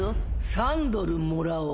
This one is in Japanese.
３ドルもらおう。